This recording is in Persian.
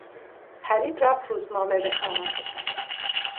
پرید رفت روزنامه بخرد.